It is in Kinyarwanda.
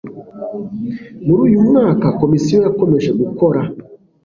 Muri uyu mwaka Komisiyo yakomeje gukora